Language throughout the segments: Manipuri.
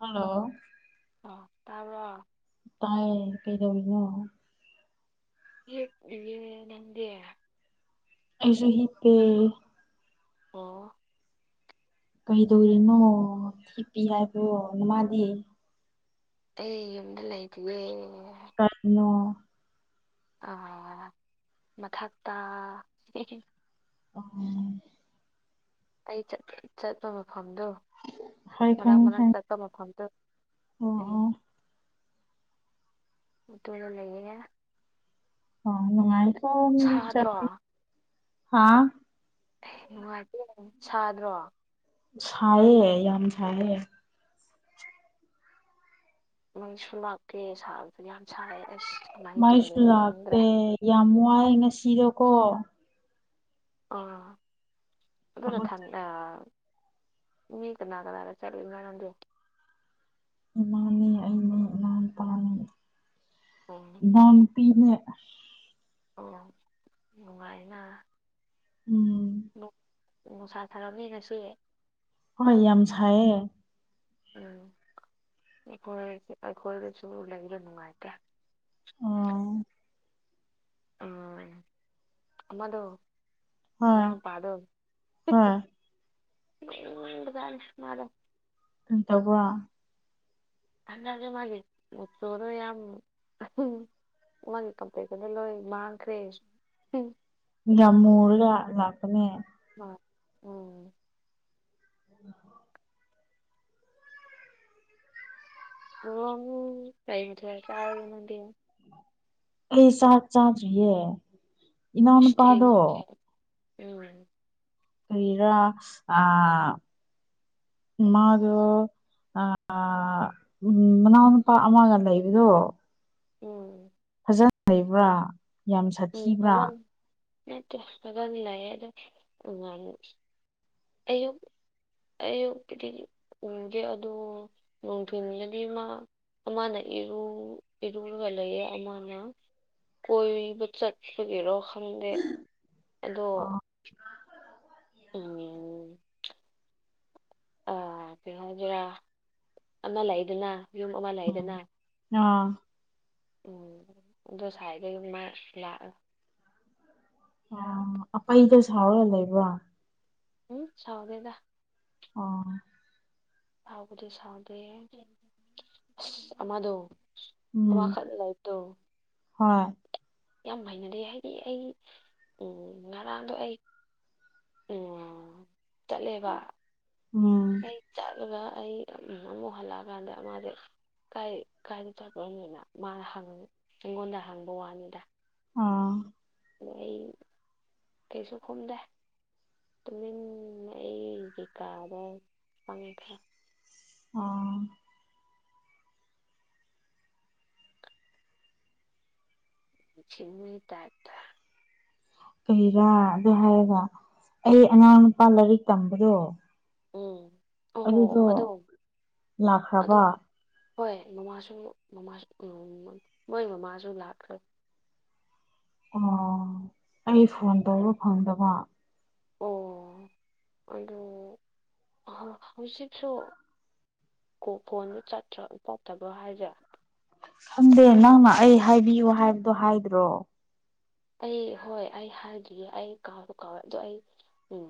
ꯍꯜꯂꯣ ꯑꯣ ꯇꯥꯕ꯭ꯔꯣ ꯇꯥꯏ ꯀꯩꯗꯧꯔꯤꯅꯣ ꯌꯦꯛ [unintelligible] ꯅꯪꯗꯤ ꯑꯩꯖꯨ ꯍꯤꯞꯄꯦ ꯑꯣ ꯀꯩꯗꯧꯔꯤꯅꯣ ꯊꯤꯞꯄꯤ ꯍꯥꯏꯕ꯭ꯔꯣ ꯅꯃꯗꯤ ꯑꯩ ꯌꯨꯝꯗ ꯂꯥꯏꯇꯤꯌꯦ ꯀꯔꯤꯅꯣ ꯑ ꯃꯊꯛꯇ [inaudible] ꯑꯩ ꯆꯠ ꯆꯠꯄ ꯃꯐꯝꯗꯣ ꯍꯣꯏ ꯃꯅꯥꯛ ꯈꯪꯉꯤ ꯃꯅꯥꯛ ꯈꯪꯉꯤ ꯆꯠꯄ ꯃꯐꯝꯗꯣ ꯑꯣ ꯎꯝ ꯑꯣ ꯗꯨꯔ ꯂꯩꯌ‌ꯦ ꯍ ꯅꯨꯡꯉꯥꯏꯈꯔꯥꯅꯤ ꯃꯤ ꯁꯥꯗ꯭ꯔꯣ ꯃꯆꯥꯗꯤ ꯍꯥ ꯅꯨꯡꯉꯥꯏꯇꯦ ꯁꯥꯗ꯭ꯔꯣ ꯁꯥꯏꯌ‌ꯦ ꯌꯥꯝ ꯁꯥꯏꯌꯦ ꯃꯩꯁꯨ ꯂꯥꯛꯀꯦ ꯁꯥꯕꯁꯨ ꯌꯥꯝ ꯁꯥꯌ‌ꯦ ꯑꯁ ꯀꯃꯥꯏꯅ ꯃꯥꯏꯁꯨ ꯇꯨꯝꯗꯣꯏꯅꯣ ꯈꯪꯗ꯭ꯔꯦ ꯂꯥꯛꯇꯦ ꯌꯥꯝ ꯋꯥꯏ ꯉꯁꯤꯗꯣꯀꯣ ꯑꯥ ꯑꯗꯨꯅ ꯊꯕꯛ ꯊꯃꯤ ꯑ ꯃꯤ ꯀꯅꯥ ꯀꯅꯥ ꯆꯠꯂꯨꯏꯅꯣ ꯅꯪꯗꯤ ꯏꯃꯥꯅꯦ ꯑꯩꯅꯦ ꯏꯅꯥꯎꯅꯨꯄꯥꯅ‌ꯦ ꯑꯣ ꯏꯝꯐꯥꯜ ꯅꯨꯄꯤꯅꯦ ꯑꯣ ꯅꯨꯡꯉꯥꯏꯅ ꯎꯝ ꯅꯨꯡꯁꯥ ꯁꯥꯔꯝꯅꯤ ꯉꯁꯤ ꯍꯣꯏ ꯌꯥꯝ ꯁꯥꯏꯌꯦ ꯎꯝ ꯑꯩꯈꯣꯏ ꯑꯩꯈꯣꯏꯗꯁꯨ ꯂꯩꯕ ꯅꯨꯡꯉꯥꯏꯇꯦ ꯑꯣ ꯎꯝ ꯑꯃꯗꯣ ꯍꯣꯏ ꯏꯅꯥꯎꯄꯥꯗꯣ ꯍꯣꯏ ꯇꯧꯕ ꯑꯗꯦ ꯃꯥꯒꯤ ꯆꯣꯔꯨ ꯌꯥꯝ ꯃꯥꯒꯤ ꯀꯝꯄ꯭ꯂꯦꯟꯗꯨꯗ ꯂꯣꯏ ꯃꯥꯡꯈ꯭ꯔꯦ ꯌꯥꯝ ꯃꯨꯔ ꯂꯥꯠꯄꯅꯦ ꯍ‌ꯣꯏ ꯎꯝ [unintelligible] ꯉꯃꯨ ꯀꯩ ꯃꯊꯦꯜ ꯆꯔꯒꯦ ꯅꯪꯗꯤ ꯑꯩ ꯆꯥꯛ ꯆꯥꯗ꯭ꯔꯤꯌꯦ ꯑꯁ ꯏꯅꯥꯎꯅꯨꯄꯥꯗꯣ ꯊꯦꯡꯉꯦ ꯎꯝ ꯀꯔꯤꯔꯥ ꯑ ꯃꯥꯗ‌ꯣ ꯑ ꯎꯝ ꯃꯅꯥꯎꯅꯨꯄꯥ ꯑꯃꯒ ꯂꯩꯕꯗꯣ ꯎꯝ ꯖꯟ ꯂꯩꯕ꯭ꯔꯥ ꯌꯥꯝ ꯁꯥꯊꯤꯕ꯭ꯔꯥ [unintelligible] ꯑꯌꯨꯛ ꯑꯩꯛꯀꯤꯗꯤ ꯎꯒꯦ ꯑꯗꯨ ꯅꯣꯡꯊꯤꯜꯗꯗꯤ ꯃꯥ ꯑꯃꯅ ꯏꯔꯨ ꯏꯔꯨꯔꯒ ꯂꯩꯌꯦ ꯑꯃꯅ ꯀꯣꯏꯕ ꯆꯠ ꯒꯤꯔꯣ ꯈꯪꯗꯦ ꯑꯗꯣ ꯑꯣ [unintelligible] ꯑ ꯀꯩ ꯍꯥꯏꯗꯔꯥ ꯑꯃ ꯂꯩꯗꯅ ꯌꯨꯝ ꯑꯃ ꯎꯝ ꯂꯩꯗꯅ ꯑꯥ ꯎꯝ ꯑꯗꯣ ꯁꯋꯥꯏꯗ ꯃꯥ ꯂꯥꯛꯑꯒ ꯑ ꯑꯄꯩꯗ‌ꯣ ꯁꯥꯎꯔꯒ ꯂꯩꯕ꯭ꯔ‌ꯣ ꯍꯝ ꯁꯥꯎꯗ‌ꯦꯗ ꯑꯣ ꯁꯥꯎꯕꯨꯗꯤ ꯁꯥꯎꯗꯦ ꯑꯁ ꯑꯃꯗꯣ ꯎꯝ ꯑꯃꯥꯈꯛ ꯂꯩꯕꯗ‌ꯣ ꯍꯣꯏ ꯌꯥꯝ ꯍꯩꯅꯗꯦ ꯍꯥꯏꯗꯤ ꯑꯩ ꯎꯝ ꯉꯔꯥꯡꯗꯣ ꯑꯩ ꯑ‌ꯣ ꯇꯜꯂꯦꯕ ꯎꯝ ꯑꯩ ꯆꯠ ꯑꯗꯨꯒ ꯑꯩ ꯑꯃꯨꯛ ꯍꯜꯂꯛꯑꯀꯥꯟꯗ ꯃꯥꯁꯦ ꯀꯥꯏ ꯀꯥꯏꯗ ꯆꯠꯄꯅꯣꯅ ꯃꯥꯅ ꯍꯡ ꯑꯩꯪꯉꯣꯟꯗ ꯍꯥꯡꯕ ꯋꯥꯅꯤꯗ ꯑꯥ ꯑꯩ ꯀꯩꯁꯨ ꯈꯨꯝꯗꯦ ꯇꯨꯃꯤꯟꯅ ꯑꯩꯒꯤ ꯀꯥꯗ ꯆꯪꯉꯦ ꯑꯥ ꯏꯟꯁꯤꯟꯕꯤꯒꯤ ꯇꯥꯏꯞꯇ ꯀꯩꯔ ꯑꯗꯨ ꯍꯥꯏꯔꯒ ꯑꯩ ꯑꯉꯥꯡ ꯅꯨꯄꯥ ꯂꯥꯏꯔꯤꯛ ꯇꯝꯕꯗꯣ ꯎꯝ ꯑꯣ ꯍꯣ ꯑꯣ ꯑꯗꯨꯗꯣ ꯂꯥꯛꯈ꯭ꯔꯕ ꯑꯗꯣ ꯍꯣꯏ ꯃꯃꯥꯁꯨ ꯃꯃꯥꯁꯨ ꯃꯣꯏ ꯃꯃꯥꯁꯨ ꯂꯥꯛꯈ꯭ꯔꯦ ꯑꯣ ꯑꯩ ꯐꯣꯟ ꯇꯧꯕ ꯐꯪꯗꯕ ꯑꯣ ꯑꯗ‌ꯣ ꯍꯧꯖꯤꯛꯁꯨ ꯀꯣ ꯐꯣꯟꯗ‌ꯣ ꯆꯠꯇ꯭ꯔ ꯇꯠꯇꯕ꯭ꯔꯣ ꯍꯥꯏꯁꯦ ꯈꯪꯗꯦ ꯅꯪꯅ ꯑꯩ ꯍꯥꯏꯕꯤꯌꯨ ꯍꯥꯏꯕꯗꯣ ꯍꯥꯏꯗ꯭ꯔꯣ ꯑꯩ ꯍꯣꯏ ꯑꯩ ꯍꯥꯏꯗ꯭ꯔꯤ ꯑꯩ ꯀꯥꯎꯕꯨ ꯀꯥꯎꯋꯦ ꯑꯗꯣ ꯑꯩ ꯎꯝ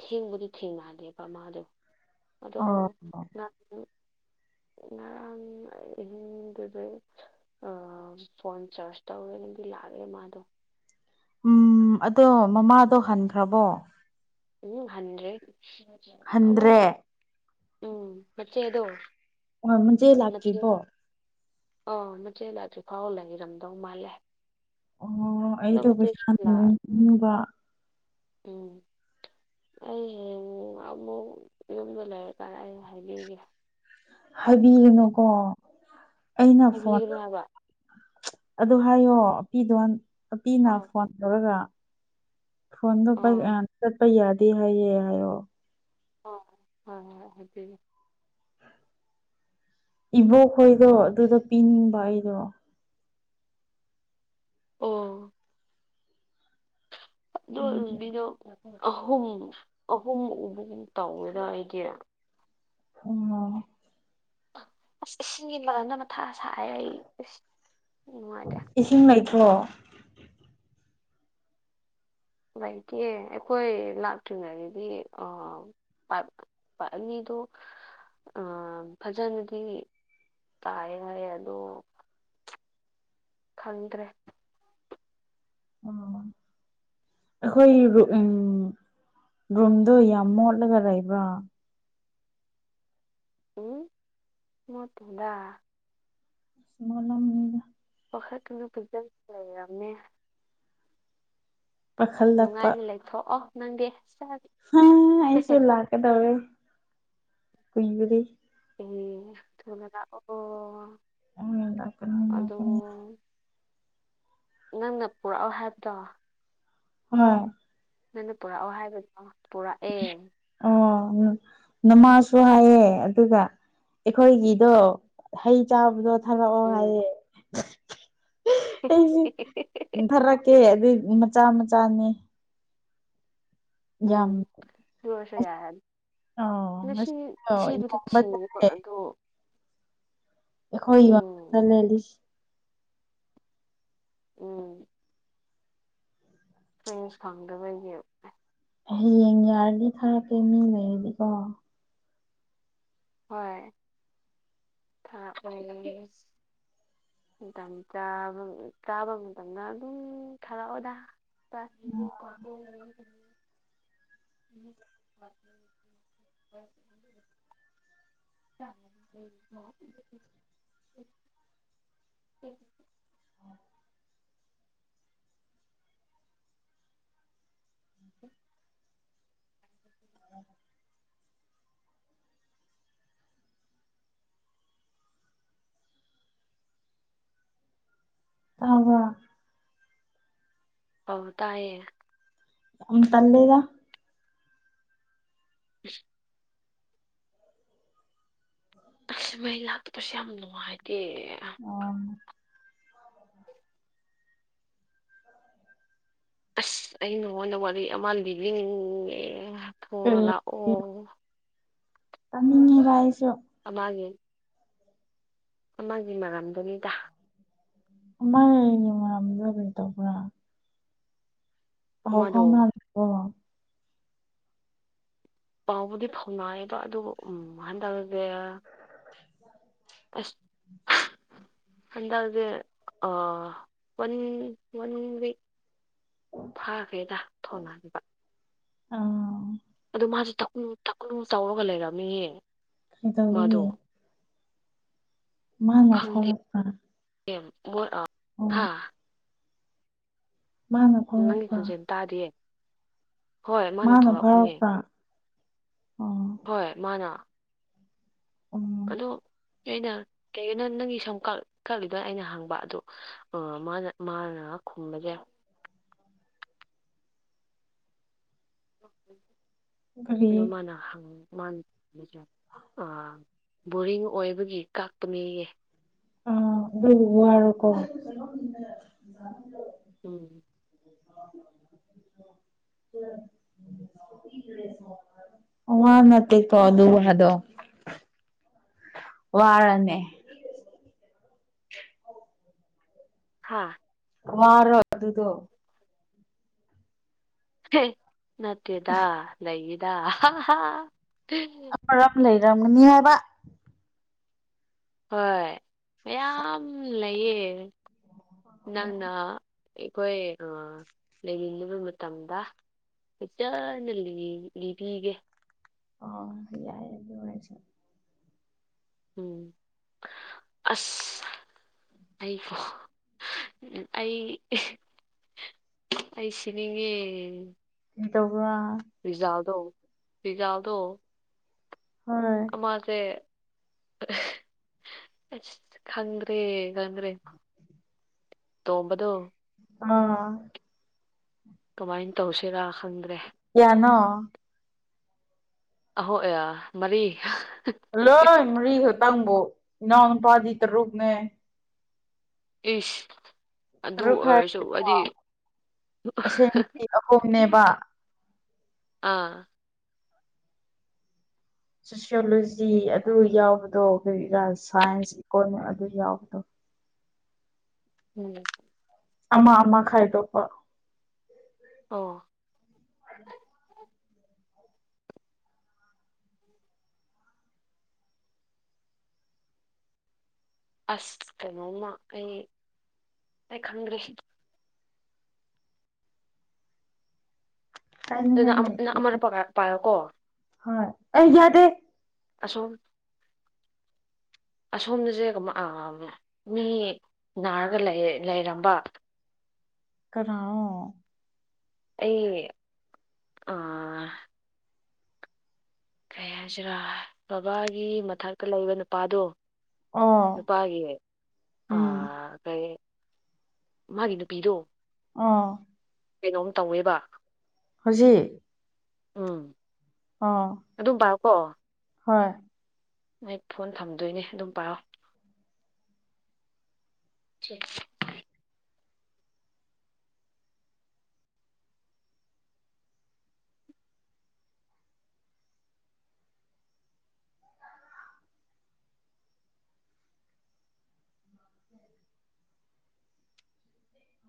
ꯊꯦꯡꯕꯨꯗꯤ ꯊꯦꯡꯅꯗ‌ꯦꯕ ꯃꯥꯗꯣ ꯑꯗꯣ ꯑꯣ ꯅꯪ ꯉꯔꯥꯡ ꯑꯍꯤꯡꯗꯨꯗꯩ ꯑ ꯐꯣꯟ ꯆꯥꯔꯖ ꯇꯧꯔꯦꯒꯤ ꯂꯥꯛꯑꯦ ꯃꯥꯗꯣ ꯎꯝ ꯑꯗꯣ ꯃꯃꯥꯗꯣ ꯍꯟꯈ꯭ꯔꯕꯣ ꯎꯝ ꯍꯟꯗ꯭ꯔꯦ ꯑ ꯍꯟꯗ꯭ꯔꯦ ꯎꯝ ꯃꯆ‌ꯦꯗꯣ ꯑꯣ ꯃꯆ‌ꯦ ꯂꯥꯛꯇ꯭ꯔꯤꯕꯣ ꯑꯧ ꯃꯆꯦ ꯂꯥꯛꯇ꯭ꯔꯤꯐꯥꯎ ꯂꯩꯔꯝꯗꯧ ꯃꯥꯜꯂꯦ ꯑꯣ ꯑꯗꯣ ꯑꯩꯗꯣ ꯃꯆꯦꯁꯨ ꯄꯩꯁꯥ ꯂꯥꯛ [unintelligible] ꯎꯝ ꯑꯩ ꯍꯌꯦꯡ ꯑꯃꯨꯛ ꯌꯨꯝꯗ ꯂꯩꯔꯀꯥꯟꯗ ꯑꯩ ꯍꯥꯏꯕꯤꯒꯦ ꯍꯥꯏꯕꯤꯌꯨꯅꯨꯀꯣ ꯑꯩꯅ ꯐꯣꯟ ꯍꯥꯏꯕꯤꯒꯅꯣ ꯍꯥꯏꯕ ꯑꯗꯨ ꯍꯥꯏꯌꯣ ꯑꯄꯤꯗꯣ ꯑꯄꯤꯅ ꯐꯣꯟ ꯇꯧꯔꯒ ꯐꯣꯟꯗ ꯑꯥ ꯄ ꯌꯥꯗ ꯍꯥꯏ ꯍꯥꯏ ꯑꯣ ꯍꯣꯏꯣꯏ ꯍꯣꯏ ꯍꯣꯏ ꯍꯥꯏꯕꯤꯒꯦ ꯏꯕꯣꯛꯈꯣꯏꯗꯣ ꯑꯗꯨꯗ ꯄꯤꯅꯤꯡꯕ ꯑꯩꯗꯣ ꯑꯣ ꯑꯗꯨꯒꯤ ꯂꯣꯏꯕꯤꯗꯣ ꯑꯍꯨꯝ ꯑꯍꯨꯝ ꯎꯕꯒꯨꯝ ꯇꯧꯋꯦꯗ ꯑꯩꯗꯤ ꯎꯝ ꯑꯁ ꯏꯁꯤꯡꯒꯤ ꯃꯔꯝꯗ ꯃꯊꯥ ꯁꯥꯏꯑꯦ ꯑꯩꯁ ꯌꯥꯝ ꯅꯨꯡꯉꯥꯏꯇꯦ ꯏꯤꯡ ꯂꯩꯇ꯭ꯔꯣ ꯂꯩꯇꯤꯌꯦ ꯑꯩꯈꯣꯏ ꯂꯥꯛꯇ꯭ꯔꯤꯉꯩꯗꯗꯤ ꯄ ꯑꯅꯤꯗꯨ ꯑ ꯐꯖꯅꯗꯤ ꯇꯥꯏ ꯍꯥꯏꯌꯦ ꯑꯗꯣ ꯈꯪꯗ꯭ꯔꯦ ꯑꯣ [inaudible] ꯑꯩꯈꯣꯏ ꯎ ꯔꯨꯝꯗꯣ ꯌꯥꯝ ꯃꯣꯠꯂꯒ ꯂꯩꯕ ꯎꯝ ꯃꯣꯠꯇꯦꯗ [unintelligible] ꯋꯥꯈꯠꯅ ꯐꯖꯅ ꯂꯩꯔꯝꯃꯦ ꯄꯥꯈꯠꯂꯛꯄ ꯅꯨꯡꯉꯥꯏꯅ ꯂꯩꯊꯣꯛꯑꯣ ꯅꯪꯗꯤ ꯆꯠ ꯍꯥ ꯑꯩꯁꯨ ꯂꯥꯛꯀꯗꯧꯋꯦ ꯀꯨꯏꯕꯒꯤ ꯑꯦ ꯊꯣꯛꯂꯒ ꯂꯥꯛꯑꯣ ꯎꯝ ꯂꯥꯛꯀꯅꯤꯥ ꯂꯥꯛꯀꯅꯤ ꯑꯗꯣ ꯅꯪꯅ ꯄꯨꯔꯛꯑꯣ ꯍꯥꯏꯕꯗꯣ ꯑꯃ ꯅꯪꯅ ꯄꯨꯔꯛꯑꯣ ꯍꯥꯏꯕꯗꯣ ꯄꯨꯔꯛꯑꯦ ꯑꯣ ꯅꯃꯥꯁꯨ ꯍꯥꯏꯌꯦ ꯑꯗꯨꯒ ꯑꯩꯈꯣꯏꯒꯤꯗꯣ ꯍꯩ ꯆꯥꯕꯗꯣ ꯊꯥꯔꯛꯑꯣ ꯎꯝ ꯍꯥꯏꯌꯦꯦ ꯑꯩ ꯊꯔꯛꯀꯦ ꯑꯗꯨꯏ ꯃꯆꯥ ꯃꯆꯥꯅꯤ ꯌꯥꯝ ꯂꯣꯏꯔꯁꯨ ꯌꯥꯏ ꯍꯥꯏꯅꯤ ꯑꯣ ꯃꯁꯤ ꯉꯁꯤꯗꯣ ꯊꯤꯕꯨꯗꯤ ꯏꯌꯥꯝꯕ ꯊꯤꯌꯦꯦꯀ ꯆꯠꯂꯦ ꯑꯗꯣ ꯈꯣꯏ ꯋꯥ ꯎꯝ ꯂꯩ ꯂꯤꯁꯤ ꯎꯝ ꯐ꯭ꯔꯦꯟꯁ ꯐꯪꯗꯕꯒꯤ ꯍꯌꯦꯡ ꯌꯥꯔꯗꯤ ꯊꯥꯔꯛꯀꯦ ꯃꯤ ꯂꯩꯔꯗꯤꯀꯣ ꯍꯣꯏ ꯊꯥ [unintelligible] ꯃꯇꯝ ꯆꯥ ꯆꯥꯕ ꯃꯇꯝꯗ ꯑꯗꯨꯝ ꯊꯥꯔꯛ ꯑꯣꯗꯥ [unintelligible] [inaudible] [inaudible] [inaudible] ꯇꯥꯕ꯭ꯔ ꯑꯧ ꯇꯥꯏꯌꯦ ꯇꯜꯂꯦꯒ [inaudible] ꯑ ꯃꯩ ꯂꯥꯛꯇꯄꯁꯦ ꯌꯥꯝ ꯅꯨꯡꯉꯥꯏꯇꯦ ꯑꯣ ꯑꯁ ꯑꯩ ꯅꯉꯣꯟꯗ ꯋꯥꯔꯤ ꯑꯃ ꯂꯤꯅꯤꯡꯉꯦ ꯊꯨꯅ ꯀꯔꯤ ꯂꯥꯛꯑꯣ ꯇꯥꯅꯤꯡꯉꯤꯕ ꯑꯩꯁꯨ ꯃꯥ ꯃꯥꯒꯤ ꯃꯔꯝꯗꯨꯅꯤꯗ ꯑꯥꯏꯅꯤꯕꯤ ꯇ ꯄꯨ ꯄꯥꯎ ꯑꯃꯗꯣ ꯍꯥꯎꯅ ꯄꯥꯎꯕꯨꯗꯤ ꯐꯥꯎꯅꯥꯏꯌꯦꯕ ꯑꯗꯨꯕꯨ ꯎ ꯍꯥꯟꯗꯕꯒ ꯑꯁ ꯑꯗꯦ ꯑꯟꯟ ꯐꯥꯈ꯭ꯔꯦꯗ ꯊꯣꯟꯅꯕ ꯑ ꯑꯗꯨꯗ ꯃꯥꯁꯦ ꯊꯛꯨ ꯆꯥꯎꯔꯒ ꯂꯩꯔꯝꯃꯤꯍ ꯀꯗꯧꯕꯒꯤ ꯃꯥꯥ ꯈꯪꯗꯦ ꯅꯊꯔꯄ ꯍꯥ ꯃꯥꯅ ꯅꯪꯒꯤ ꯐꯥꯎꯔꯛꯄ꯭ꯔꯥ ꯈꯣꯟꯖꯦꯜ ꯇꯥꯗꯌꯦ ꯃꯥꯅ ꯐꯔꯛꯄ꯭ꯔ ꯑꯣ ꯍꯣꯏ ꯃꯥꯅ ꯎꯝ ꯑꯗꯣ ꯑꯩꯅ ꯀꯩꯒꯤꯅꯣ ꯅꯪꯒꯤ ꯁꯨꯝ ꯀꯠꯂꯤꯗꯣꯏ ꯑꯩꯅ ꯍꯥꯡꯕ ꯑꯗꯣ ꯃꯥꯅ ꯃꯥꯅ ꯈꯨꯝꯕꯁꯦ ꯀꯔꯤ ꯃꯥꯅ ꯍ ꯃꯥ ꯕꯣꯔꯤꯡ ꯑꯣꯏꯕꯒꯤ ꯀꯥꯛꯄꯅꯦꯌꯦ ꯑ ꯔꯕꯔ ꯀꯣ ꯎꯝ [inaudible] ꯋꯥ ꯅ ꯀ ꯑꯗꯨ ꯋꯥꯗꯣ ꯋꯥꯔꯅꯦ ꯍꯥ [inaudible] ꯑꯗꯨꯗ ꯍꯦ ꯅꯠꯇꯦ꯫ꯗꯥ ꯅꯗ ꯃꯔꯝ ꯂꯩꯔꯝꯒꯅꯤ ꯍꯥꯏꯕ ꯍꯣꯏ ꯃꯌꯥꯝ ꯂꯩꯌꯦ ꯅꯪꯅ ꯑꯩꯈꯣꯏ ꯂꯩꯃꯤꯟ ꯅꯕ ꯃꯇꯝꯗ [inaudible] ꯂꯤꯕꯤꯒꯦ ꯑ ꯌꯥꯏ ꯑꯗꯨ ꯑꯣꯏꯁꯦ ꯎꯝ ꯑꯁ ꯑꯩꯀ ꯎ ꯑꯩ ꯑꯩ ꯁꯤꯅꯤꯉꯦ꯫ ꯑꯗꯨꯒ ꯔꯤꯖꯥꯜꯗꯣ ꯔꯤꯖꯥꯜꯗꯣ ꯍꯣꯏ ꯑꯃꯁꯦ ꯑꯁ ꯈꯪꯗ꯭ꯔꯦ ꯈꯪꯗ꯭ꯔꯦ ꯇꯣꯡꯝꯕꯗꯣ ꯑ ꯀꯃꯥꯏꯅ ꯇꯧꯁꯤꯔꯥ ꯈꯪꯗ꯭ꯔꯦ ꯌꯥꯅꯣ ꯑꯍꯣꯏ ꯑ ꯃꯔꯤ ꯂꯣꯏ ꯃꯔꯤꯈꯛꯇꯪꯕꯨ ꯏꯅꯥꯎꯅ ꯅꯨꯄꯥꯗꯤ ꯇꯔꯨꯛꯅꯦ ꯏꯁ ꯑꯗꯨ ꯇꯔꯨꯛ ꯑꯣꯏꯔꯁꯨ ꯍꯥꯏꯔꯗꯤꯀꯣ ꯍꯥꯏꯗꯤ ꯑꯁꯦꯡꯕꯗꯤ ꯑꯍꯨꯝꯅꯦꯕ ꯑꯥ ꯁꯣꯁꯤꯌꯣꯂꯣꯖꯤ ꯑꯗꯨ ꯌꯥꯎꯕꯗꯣ ꯑꯩꯈꯣꯏꯒꯤ ꯁꯥꯏꯟꯁ ꯏꯀꯣꯅꯣꯃꯤꯛ ꯑꯗꯨ ꯌꯥꯎꯕꯗꯣ ꯎꯝ ꯑꯃ ꯑꯃ ꯈꯥꯏꯗꯣꯛꯄ ꯑꯣ ꯑꯁ ꯀꯩꯅꯣꯝꯃ ꯑꯩ ꯑꯩ ꯈꯪꯗ꯭ꯔꯦ ꯀꯥꯏꯅꯤꯡꯉꯥꯏ ꯑꯗꯨꯅ ꯅ ꯑꯃꯅ ꯄꯥꯏꯔꯣꯀꯣ ꯍꯥ ꯑ ꯌꯗꯦ ꯑꯁꯣꯝ ꯑꯁꯣꯝꯗꯁꯦ ꯁꯃꯥꯏ ꯑ ꯃꯤ ꯅꯥꯔꯒ ꯂꯩ ꯂꯩꯔꯝꯕ ꯀꯅꯔꯣ ꯑꯩ ꯑ ꯀꯩ ꯍꯥꯏꯁꯤꯔꯥ ꯕꯕꯥꯒꯤ ꯃꯊꯛꯇ ꯂꯩꯕ ꯅꯨꯄꯥꯗꯣ ꯑꯣ ꯅꯨꯄꯥꯒꯤ ꯎꯝ ꯀꯩ ꯃꯥꯒꯤ ꯅꯨꯄꯤꯗꯣ ꯑ ꯀꯩꯅꯣꯝ ꯇꯧꯋꯦꯕ ꯍꯧꯖꯤꯛ ꯑꯝ ꯑꯣ ꯑꯗꯨꯝ ꯄꯥꯏꯌꯀꯣ ꯍꯣꯏ ꯑꯩ ꯐꯣꯟ ꯊꯝꯗꯣꯏꯅꯦ ꯑꯗꯨꯝ ꯄꯥꯑꯣ ꯁꯤ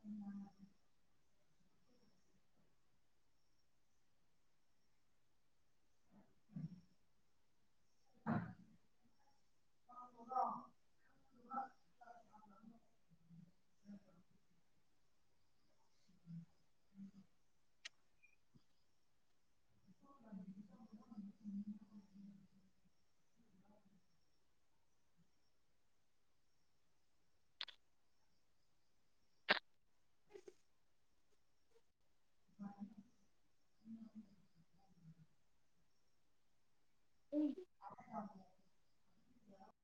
ꯎꯝ [unintelligible] ꯎꯝ [inaudible]